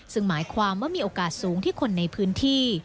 ซึ่งหมายความว่ามีโอกาสสูงที่คนในพื้นที่